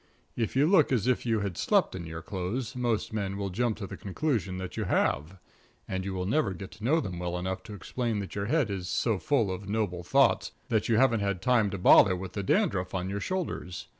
If you look as if you had slept in your clothes, most men will jump to the conclusion that you have, and you will never get to know them well enough to explain that your head is so full of noble thoughts that you haven't time to bother with the dandruff on your shoulders.